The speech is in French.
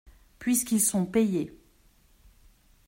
Puisqu'ils sont payés.